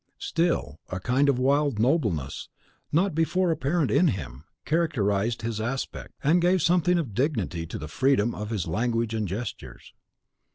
Still a kind of wild nobleness, not before apparent in him, characterised his aspect, and gave something of dignity to the freedom of his language and gestures.